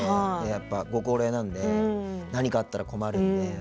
やっぱご高齢なんで何かあったら困るんで。